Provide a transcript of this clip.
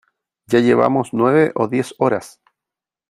ya llevamos nueve o diez horas .